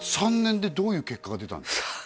３年でどういう結果が出たんですか？